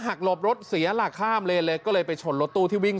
หลบรถเสียหลักข้ามเลนเลยก็เลยไปชนรถตู้ที่วิ่ง